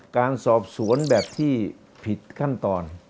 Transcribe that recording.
การสอบสวนแบบที่ผิดขั้นตอน